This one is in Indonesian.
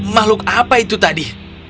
makhluk apa itu tadi